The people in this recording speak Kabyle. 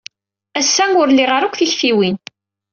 Ass-a, ur liɣ ara akk tiktiwin.